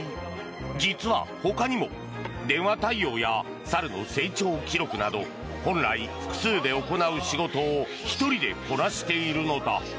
実は、ほかにも電話対応や、猿の成長記録など本来、複数で行う仕事を１人でこなしているのだ。